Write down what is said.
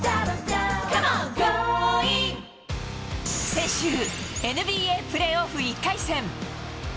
先週、ＮＢＡプレーオフ１回戦。